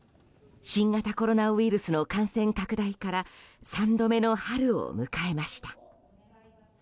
新型コロナウイルスの感染拡大から３度目の春を迎えました。